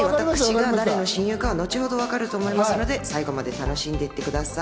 私が誰の親友かは後ほど分かると思いますので、最後まで楽しんでいってください。